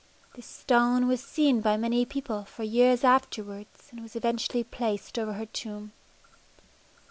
This stone was seen by many people for years afterwards and was eventually placed over her tomb.